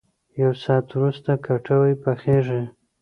یو ساعت ورست کټوۍ پخېږي.